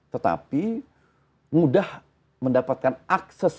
tetapi mudah mendapatkan orientasi seks